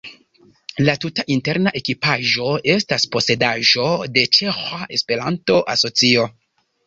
La tuta interna ekipaĵo estas posedaĵo de Ĉeĥa Esperanto-Asocio.